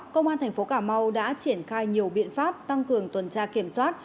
công an tp cà mau đã triển khai nhiều biện pháp tăng cường tuần tra kiểm soát